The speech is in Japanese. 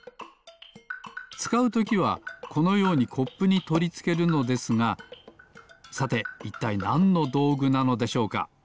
つかうときはこのようにコップにとりつけるのですがさていったいなんのどうぐなのでしょうか？